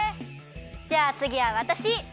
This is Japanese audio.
じゃあつぎはわたし！